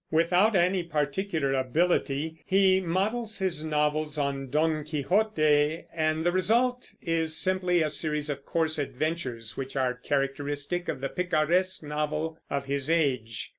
Without any particular ability, he models his novels on Don Quixote, and the result is simply a series of coarse adventures which are characteristic of the picaresque novel of his age.